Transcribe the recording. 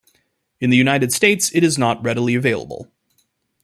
In the United States it is not readily available.